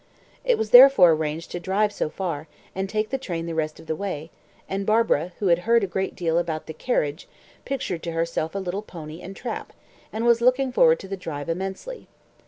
It was therefore arranged to drive so far, and take the train the rest of the way, and Barbara, who had heard a great deal about "the carriage," pictured to herself a little pony and trap, and was looking forward to the drive immensely.